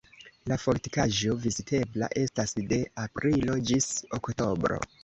La fortikaĵo vizitebla estas de aprilo ĝis oktobro.